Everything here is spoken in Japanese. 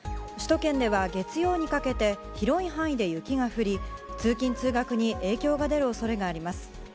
首都圏では月曜にかけて広い範囲で雪が降り通勤・通学に影響が出る恐れがあります。